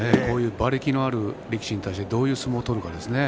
馬力のある力士に対してどう相撲を取るかですね。